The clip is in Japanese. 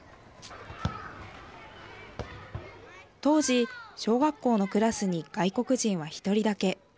当時、小学校のクラスに外国人は１人だけ。